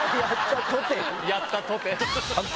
やったとて。